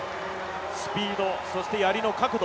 スピード、そしてやりの角度